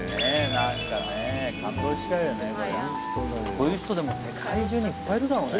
こういう人でも世界中にいっぱいいるだろうね。